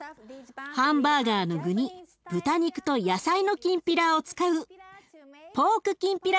ハンバーガーの具に豚肉と野菜のきんぴらを使うポークきんぴら